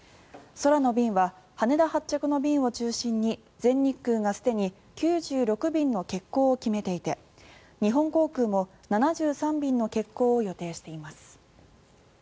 空の便は羽田発着の便を中心に全日空がすでに９６便の欠航を決めていて日本航空も７３便の欠航を予定しています。